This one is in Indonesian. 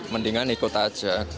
mendingan ikut aja